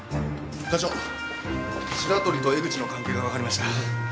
課長白鳥と江口の関係がわかりました。